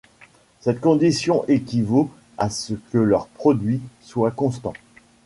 Cette condition équivaut à ce que leur produit soit constant.